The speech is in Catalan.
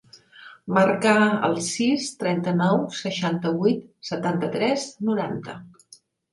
Marca el sis, trenta-nou, seixanta-vuit, setanta-tres, noranta.